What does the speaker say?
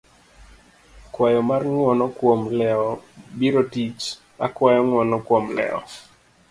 kwayo mar ng'uono kuom lewo biro tich, akwayo ng'uono kuom lewo